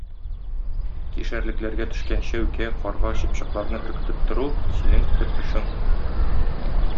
Кишәрлекләргә төшкән чәүкә, карга, чыпчыкларны өркетеп тору - синең төп эшең!